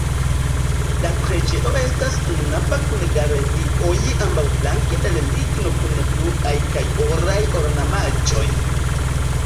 La preĝejo estas ununava kun galerioj ambaŭflanke el ligno kun bluaj kaj oraj ornamaĵoj.